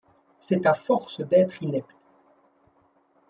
C'est à force d'être inepte